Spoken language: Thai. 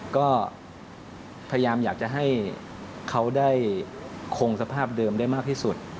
ก็พยายามอยากจะให้เขาได้คงสภาพเดิมได้มากที่สุด